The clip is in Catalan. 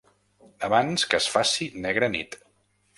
Abans que es faci negra nit.